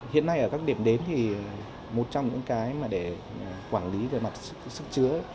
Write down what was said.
hiện nay ở các điểm đến thì một trong những cái mà để quản lý về mặt sức chứa